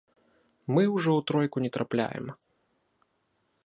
Мы ўжо ў тройку не трапляем.